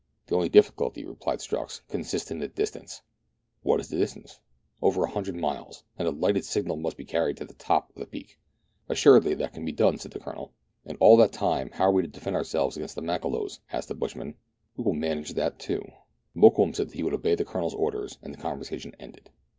" The only difficulty," replied Strux, " consists in the distance." *' What is the distance .?" "Over a hundred miles, and a lighted signal must be carried to the top of the peak." Assuredly that can be done," said the Colonel. "And all that time, how are we to defend ourselves against the Makololos?" asked the bushman. " We will manage that too." Mokoum said that he would obey the Colonel's orders, and the conversation ended.